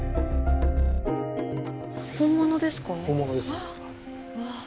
本物ですか？